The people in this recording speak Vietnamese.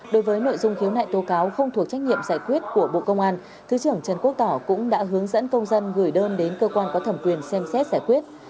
đối với nội dung khiếu nại tố cáo không thuộc trách nhiệm giải quyết của bộ công an thứ trưởng trần quốc tỏ cũng đã hướng dẫn công dân gửi đơn đến cơ quan có thẩm quyền xem xét giải quyết